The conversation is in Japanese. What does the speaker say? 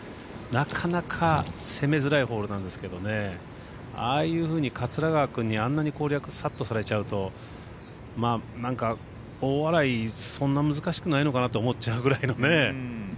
なかなか攻めづらいホールなんですけどねああいうふうに桂川君にあんなに攻略さっとされちゃうとなんか、大洗そんな難しくないのかなって思っちゃうぐらいのね。